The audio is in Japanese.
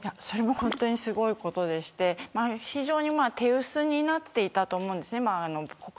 本当にすごいことで国内防衛が非常に手薄になっていたと思うんです。